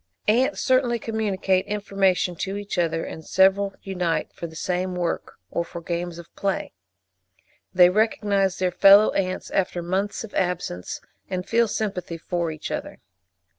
Ants certainly communicate information to each other, and several unite for the same work, or for games of play. They recognise their fellow ants after months of absence, and feel sympathy for each other.